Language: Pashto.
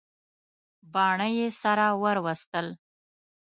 باڼه یې سره ور وستل.